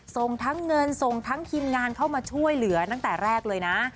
ส่งทั้งเงินส่งทั้งทีมงานเข้ามาช่วยเหลือตั้งแต่แรกเลยนะ